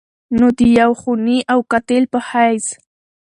نو د يو خوني او قاتل په حېث